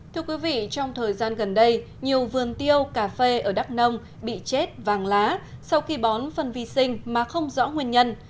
trong thời gian gần đây nhiều vườn tiêu cà phê ở đắk nông bị chết vàng lá sau khi bón phân vi sinh mà không rõ nguyên nhân